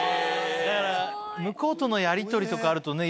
だから向こうとのやりとりとかあるとね。